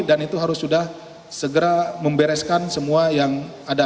dan itu harus sudah segera membereskan semua yang ada